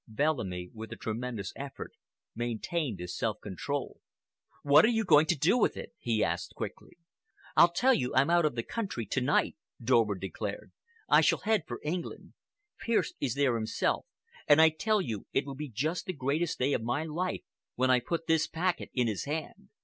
Bellamy, with a tremendous effort, maintained his self control. "What are you going to do with it?" he asked quickly. "I tell you I'm off out of the country to night," Dorward declared. "I shall head for England. Pearce is there himself, and I tell you it will be just the greatest day of my life when I put this packet in his hand.